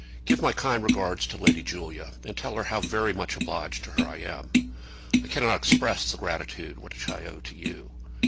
Give my kind regards to Lady Julia, and tell her how very much obliged to her I am. I cannot express the gratitude which I owe to you.